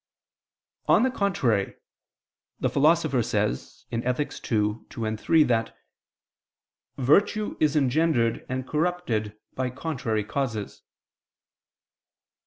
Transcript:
On the contrary, The Philosopher says (Ethic. ii, 2, 3) that "virtue is engendered and corrupted by contrary causes."